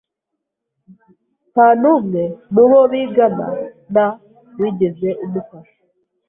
Nta n'umwe mu bo bigana na wigeze amufasha.